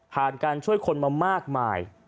การช่วยคนมามากมาย